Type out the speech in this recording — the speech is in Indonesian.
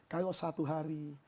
kalau satu hari